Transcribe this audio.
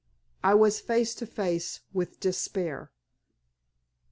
I was face to face with despair.